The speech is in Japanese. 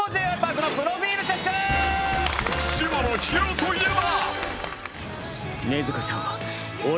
下野紘といえば！